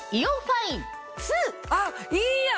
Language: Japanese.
あっいいやん